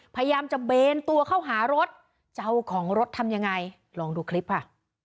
พยายามจะเบนตัวเข้าหารถเจ้าของรถทำยังไงลองดูคลิปค่ะ